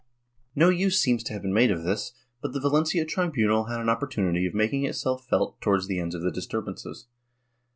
No use seems to have been made of this, but the Valencia tribunal had an opportunity of making itself felt towards the end of the disturbances.